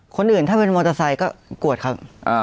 คนอื่นถ้าเป็นมอเตอร์ไซค์ก็กวดครับ